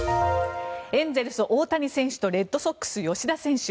エンゼルス、大谷選手とレッドソックス、吉田選手。